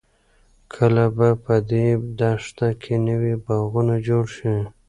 کله به په دې دښته کې نوې باغونه جوړ شي؟